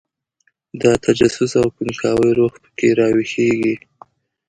د تجسس او کنجکاوۍ روح په کې راویښېږي.